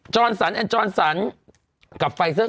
อนสันแอนจรสันกับไฟเซอร์